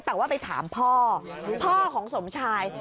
แต่ว่าไปถามพ่อพ่อของสมชาย